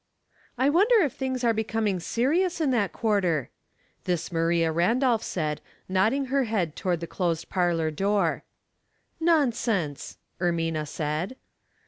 WONDER if things are becoming serious in that quarter?" This Maria Randolph said, nodding her head toward the closed parlor door. *' Nonsense !" Ermina said.